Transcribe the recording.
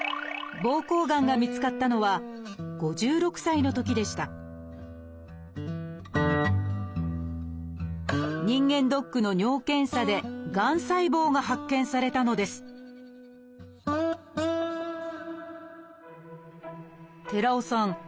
膀胱がんが見つかったのは５６歳のときでした人間ドックの尿検査でがん細胞が発見されたのです寺尾さん